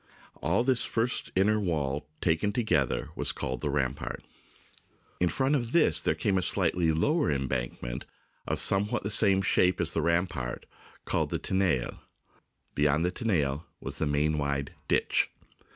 All this first inner wall, taken together, was called the rampart. In front of this came another slightly lower embankment of somewhat the same shape as the rampart, called the " tenaille." Beyond the tenaille was the main wide " ditch."